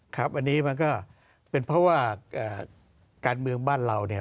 ครับอันนี้มันก็เป็นเพราะว่าการเมืองบ้านเราเนี่ย